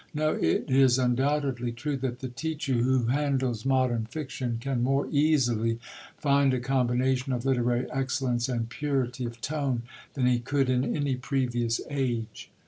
No, it is undoubtedly true that the teacher who handles modern fiction can more easily find a combination of literary excellence and purity of tone than he could in any previous age.